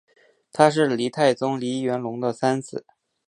他是黎太宗黎元龙的三子。